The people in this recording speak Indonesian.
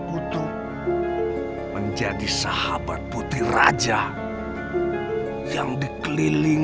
itu menjadi sahabat putih raja yang dikelilingi